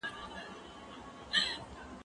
زه به سبا سبزیجات وچوم!.